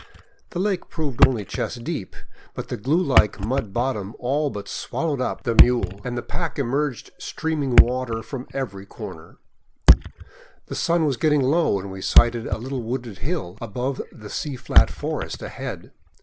The lake proved only chest deep, but the glue like mud bottom all but swallowed up 571 VAGABONDING DOWN THE ANDES the mule, and the pack emerged streaming water from every corner. The sun was getting low when we sighted a little wooded hill above the sea flat forest ahead.